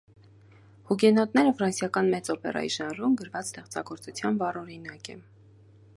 «Հուգենոտները» ֆրանսիական «մեծ օպերայի» ժանրում գրված ստեղծագործության վառ օրինակ է։